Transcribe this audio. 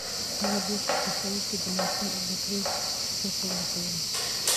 هغه بيا په پېښور کې د نرسنګ زدکړې سرته ورسولې.